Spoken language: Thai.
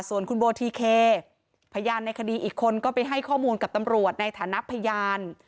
ส่วนคุณโบทีเคพยานในคดีอีกคนก็ไปให้ข้อมูลกับตำรวจในฐานะพยาน